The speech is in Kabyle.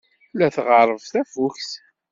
La tɣerreb tafukt.